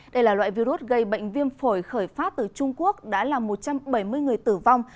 đây là loại virus gây bệnh viêm phổi khởi phát từ trung quốc đã làm một trăm bảy mươi người tử vong